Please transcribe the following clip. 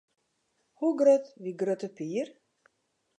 Hoe grut wie Grutte Pier?